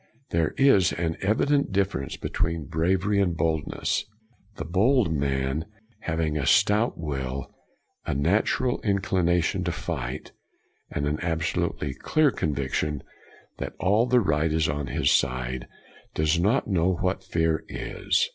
There is an evident difference between bravery and boldness. The bold man, having a stout will, a natural inclination to fight, and an absolutely clear conviction that all the right is on his side, does not know what fear is.